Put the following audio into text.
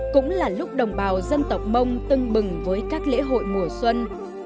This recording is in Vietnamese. cũng là lúc đồng bào dân tộc mông tưng bừng với các lễ hội mùa xuân